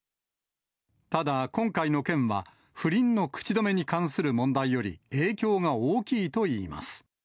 ただ、今回の件は不倫の口止めに関する問題より影響が大きいといいます。